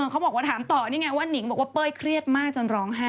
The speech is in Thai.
เขาบอกว่าถามต่อนี่ไงว่านิงบอกว่าเป้ยเครียดมากจนร้องไห้